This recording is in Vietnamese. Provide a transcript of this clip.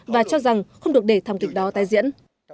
và cho rằng không được để thẩm thực đó tái diễn